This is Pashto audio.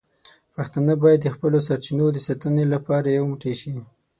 پښتانه باید د خپلو سرچینو د ساتنې لپاره یو موټی شي.